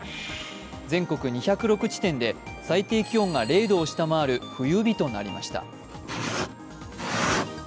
全国２０６地点で最低気温が０度を下回る冬日となりました。